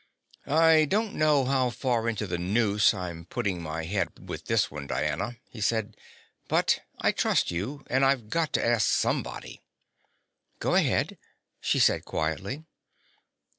"I don't know how far into the noose I'm putting my head with this one, Diana," he said. "But I trust you and I've got to ask somebody." "Go ahead," she said quietly.